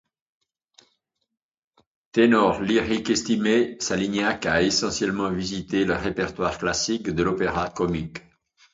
Ténor lyrique estimé, Salignac a essentiellement visité le répertoire classique de l'Opéra-comique.